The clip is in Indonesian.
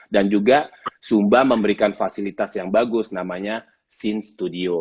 dan juga sumba memberikan fasilitas yang bagus namanya syn studio